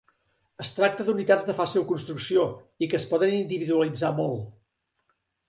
Es tracta unitats de fàcil construcció i que es poden individualitzar molt.